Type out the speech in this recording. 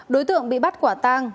đối tượng bị bắt quả tăng